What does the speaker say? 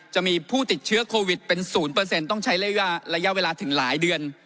จะมีผู้ติดเชื้อโควิดเป็น๐ต้องใช้ระยะเวลาถึงหลายเดือน